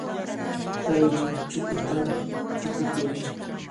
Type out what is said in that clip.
Kay chukuta chukukuy.